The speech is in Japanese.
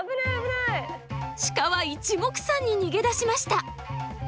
シカはいちもくさんに逃げ出しました。